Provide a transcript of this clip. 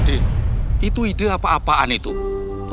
itu ide apa apaan itu